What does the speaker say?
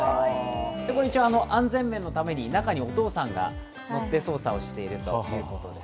一応、安全面のために、中にお父さんが乗って操作しているということです。